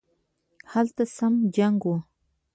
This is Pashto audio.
هلته سم جنګ وو